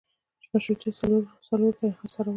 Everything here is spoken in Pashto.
مشروعیت څلورو ته انحصارول